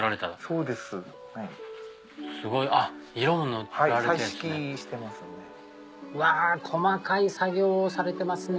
うわ細かい作業をされてますね。